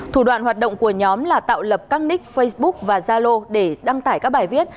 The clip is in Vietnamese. thủ đoạn hoạt động của nhóm là tạo lập các nick facebook và zalo để đăng tải các bài viết